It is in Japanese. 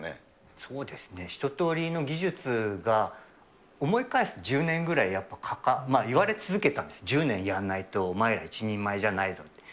そうですね、一とおりの技術が思い返すと１０年ぐらい、やっぱかかった、言われ続けたんですけど、１０年やんないと、お前ら一人前じゃないぞと。